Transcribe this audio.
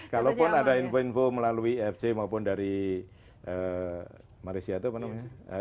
kalaupun ada info info melalui fc maupun dari malaysia itu apa namanya